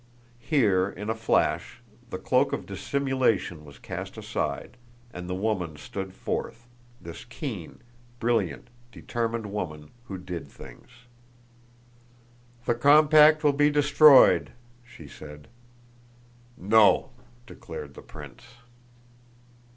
Here, in a flash, the cloak of dissimulation was cast aside, and the woman stood forth, this keen, brilliant, determined woman who did things. "The compact will be destroyed," she said. "No," declared the prince.